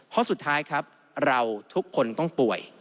ข้อสุดท้ายครับเราทุกคนต้องป่วย